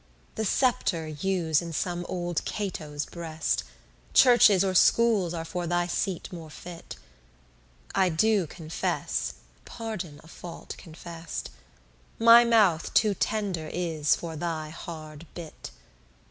The scepter use in some old Cato's breast; Churches or schools are for thy seat more fit. I do confess, pardon a fault confess'd, My mouth too tender is for thy hard bit.